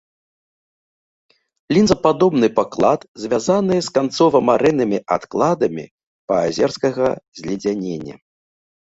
Лінзападобны паклад звязаны з канцова-марэннымі адкладамі паазерскага зледзянення.